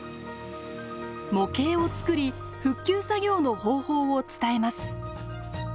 模型をつくり復旧作業の方法を伝えます。